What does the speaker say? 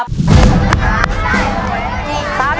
ยิ่งเสียใจ